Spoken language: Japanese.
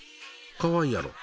かわいいやろ。